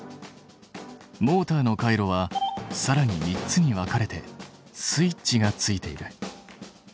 モーターの回路はさらに３つに分かれてスイッチがついている。